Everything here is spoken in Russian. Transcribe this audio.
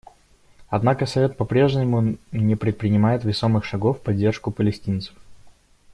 Однако Совет по-прежнему не предпринимает весомых шагов в поддержку палестинцев.